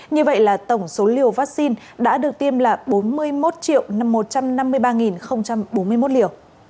như vậy là tổng số liều vaccine đã được tiêm là bốn mươi một một trăm năm mươi ba bốn mươi một liều